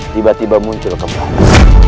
tiba tiba muncul kembali